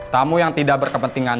tamu yang tidak berkepentingan